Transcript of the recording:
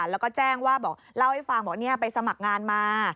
แล้วก็แจ้งว่าบอกเล่าให้ฟังบอกไปสมัครงานมา